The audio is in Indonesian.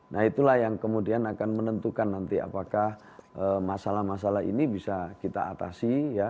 nah itulah yang kemudian akan menentukan nanti apakah masalah masalah ini bisa kita atasi ya